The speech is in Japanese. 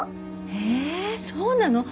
へえそうなの？